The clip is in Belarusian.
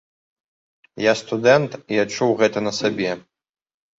Я студэнт і адчуў гэта на сабе.